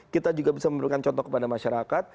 kita juga bisa memberikan contoh kepada masyarakat